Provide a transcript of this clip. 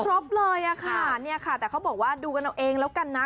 ครบเลยค่ะแต่เขาบอกว่าดูกันเอาเองแล้วกันนะ